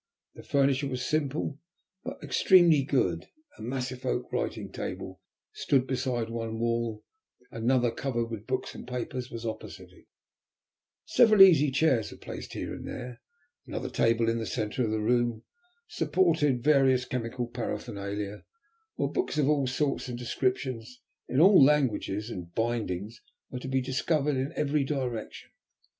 The furniture was simple, but extremely good; a massive oak writing table stood beside one wall, another covered with books and papers was opposite it, several easy chairs were placed here and there, another table in the centre of the room supported various chemical paraphernalia, while books of all sorts and descriptions, in all languages and bindings, were to be discovered in every direction.